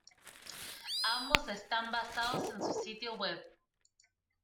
Ambos están basados en su sitio web.